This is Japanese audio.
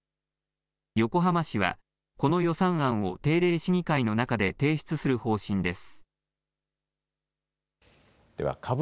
横浜市は、この予算案を定例市議会の中で提出する方針です。